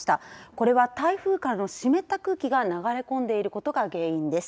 これは台風からの湿った空気が流れ込んでいることが原因です。